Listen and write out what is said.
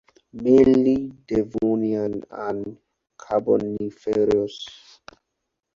Mainly Devonian and Carboniferous.